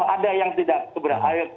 ada yang kurang